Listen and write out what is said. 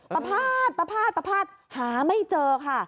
ประภาษณ์ประภาษณ์ประภาษณ์หาไม่เจอค่ะ